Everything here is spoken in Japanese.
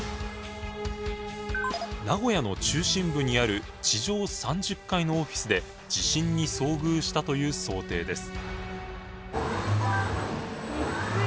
名古屋の中心部にある地上３０階のオフィスで地震に遭遇したという想定です。